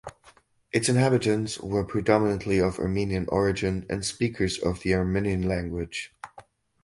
Its inhabitants were predominantly of Armenian origin and speakers of the Armenian language.